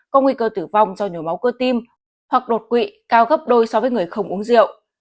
có nguy cơ tử vong do nhồi máu cơ tim hoặc đột quỵ cao gấp đôi so với người không uống rượu